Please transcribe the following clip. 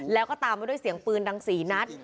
แล้วก็ตามมาด้วยเสียงปืนดัง๔นัด